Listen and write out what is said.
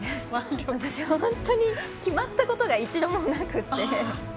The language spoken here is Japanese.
私は本当に決まったことが一度もなくて。